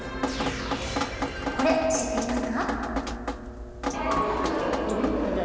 これ、知っていますか。